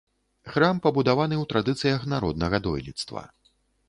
Храм пабудаваны ў традыцыях народнага дойлідства.